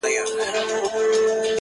هره شېبه ولګېږي زر شمعي-